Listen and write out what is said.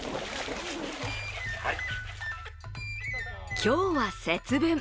今日は節分。